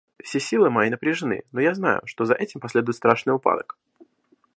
Все силы мои напряжены, но я знаю, что за этим последует страшный упадок.